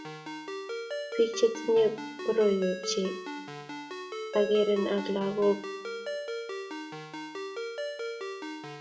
biik che tinyei koroiwek che ang'eren ak lagok ko che kikitaune eng' chanjoit